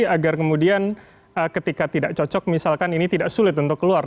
agar kemudian ketika tidak cocok misalkan ini tidak sulit untuk keluar